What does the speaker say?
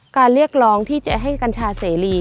เรียกร้องที่จะให้กัญชาเสรี